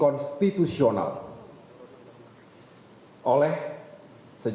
hanya satu kata kebenaran